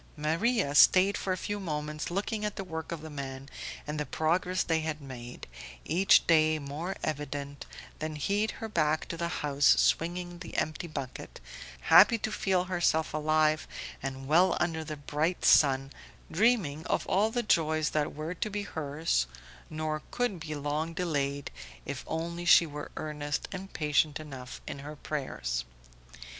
Maria stayed for a few moments looking at the work of the men and the progress they had made, each day more evident, then hied her back to the house swinging the empty bucket, happy to feel herself alive and well under the bright sun, dreaming of all the joys that were to be hers, nor could be long delayed if only she were earnest and patient enough in her prayers.